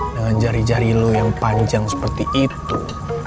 dengan jari jari lo yang panjang seperti itu